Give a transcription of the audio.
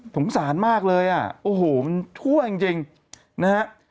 สงสารมากเลยอ่ะโอ้โหมันทั่วจริงนะฮะ